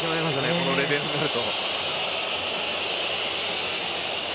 このレベルになると。